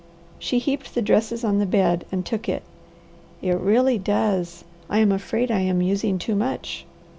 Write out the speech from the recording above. She heaped the dresses on the bed and took it. "It really does. I am afraid I am using too much."